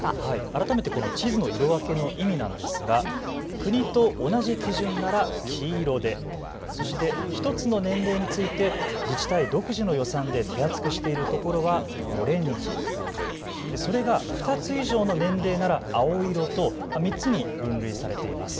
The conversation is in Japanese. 改めて、この地図の色分けの意味なんですが国と同じ基準なら黄色で、そして１つの年齢について自治体独自の予算で手厚くしているところはオレンジ、それが２つ以上の年齢なら青色と３つに分類されています。